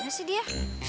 aih mana sih dia